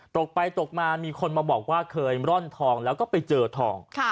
ตกไปตกมามีคนมาบอกว่าเคยร่อนทองแล้วก็ไปเจอทอง